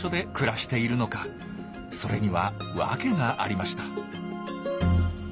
それにはわけがありました。